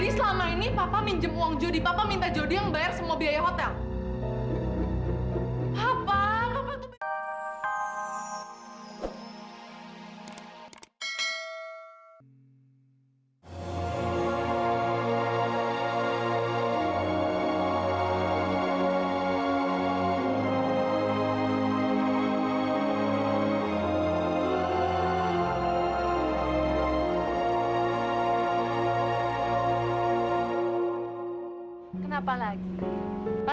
sampai jumpa di video selanjutnya